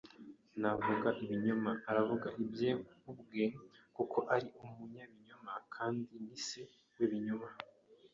Navuga ibinyoma, aravuga ibye ubwe kuko ari umunyabinyoma, kandi ni se w’ibinyoma